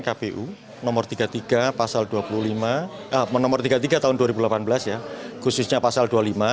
yang kpu no tiga puluh tiga tahun dua ribu delapan belas khususnya pasal dua puluh lima